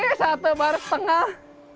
tidak satu baris tengah